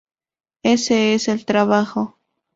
Ese es el trabajo.